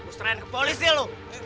lu serahin ke polisi ya lu